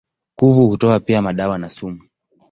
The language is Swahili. Kuvu hutoa pia madawa na sumu.